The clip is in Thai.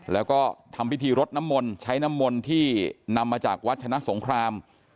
แล้วก็ทำพิธีรดน้ำมนต์ใช้น้ำมนต์ที่นำมาจากวัดชนะสงคราม